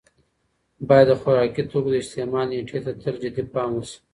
باید د خوراکي توکو د استعمال نېټې ته تل جدي پام وشي.